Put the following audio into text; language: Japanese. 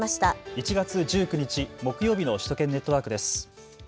１月１９日木曜日の首都圏ネットワークです。